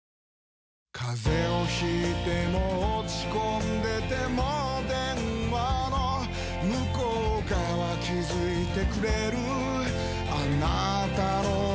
風邪を引いても落ち込んでても電話の向こう側気付いてくれるあなたの声